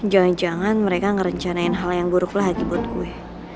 jangan jangan mereka ngerencanain hal yang buruk lagi buat gue